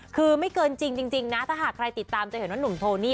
คือไม่เกินจริงนะถ้าหากใครติดตามจะเห็นว่าหนุ่มโทนี่